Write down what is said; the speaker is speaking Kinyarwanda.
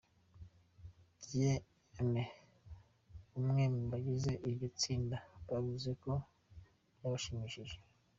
Bien-Aimé, umwe mubagize iryo tsinda, yavuze ko byabashimishije.